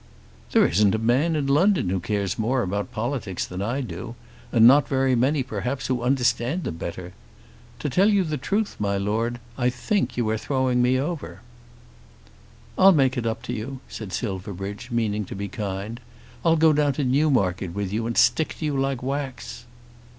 "There isn't a man in London who cares more about politics than I do; and not very many perhaps who understand them better. To tell you the truth, my Lord, I think you are throwing me over." "I'll make it up to you," said Silverbridge, meaning to be kind. "I'll go down to Newmarket with you and stick to you like wax."